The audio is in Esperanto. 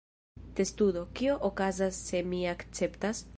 Testudo: "Kio okazas se mi akceptas?"